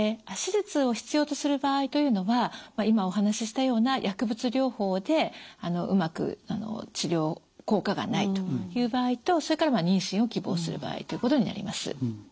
手術を必要とする場合というのは今お話ししたような薬物療法でうまく治療効果がないという場合とそれから妊娠を希望する場合ということになります。